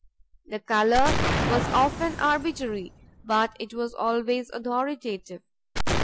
The color was often arbitrary; but it was always authoritative.